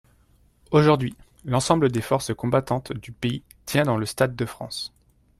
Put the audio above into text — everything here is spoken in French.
Aujourd’hui, l’ensemble des forces combattantes du pays tient dans le stade de France.